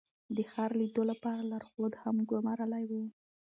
د ښار لیدو لپاره لارښود هم ګمارلی و.